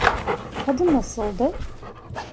Tadı nasıldı?